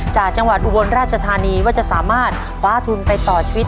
จากจังหวัดอุบลราชธานีว่าจะสามารถคว้าทุนไปต่อชีวิต